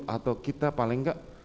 atau kita paling enggak